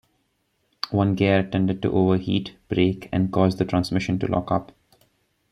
One gear tended to overheat, break and cause the transmission to lock up.